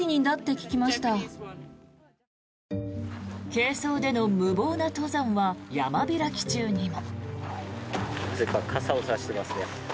軽装での無謀な登山は山開き中にも。